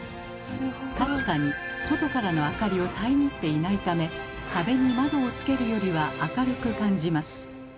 確かに外からの明かりを遮っていないため壁に窓をつけるよりは明るく感じます。